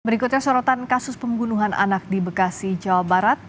berikutnya sorotan kasus pembunuhan anak di bekasi jawa barat